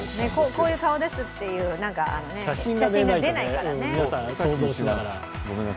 こういう顔ですって写真が出ないからね。